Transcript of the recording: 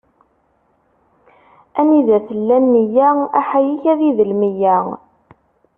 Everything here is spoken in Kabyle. Anida tella nneyya, aḥayek ad idel meyya.